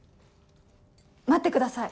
待ってください